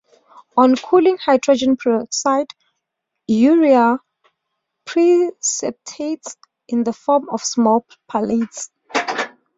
On cooling, hydrogen peroxide - urea precipitates in the form of small platelets.